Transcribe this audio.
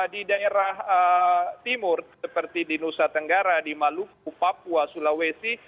di daerah timur seperti di nusa tenggara di maluku papua sulawesi